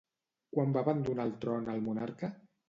Quan va abandonar el tron el monarca?